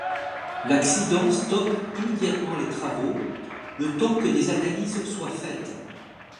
L'accident stoppe immédiatement les travaux, le temps que des analyses soient faites.